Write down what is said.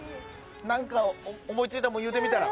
何か思い付いたもん言うてみたら。